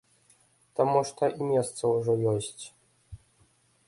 Таму што і месца ўжо ёсць.